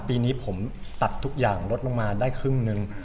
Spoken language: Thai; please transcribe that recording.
ปีนี้ผมตัดทุกอย่างลดลงมาได้ครึ่งหนึ่ง